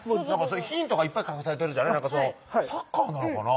ヒントがいっぱい隠されてるじゃないサッカーなのかなぁ？